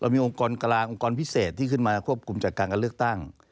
ของกรกรพิเศษที่ขึ้นขวบคุมจากการเลือกตั้ง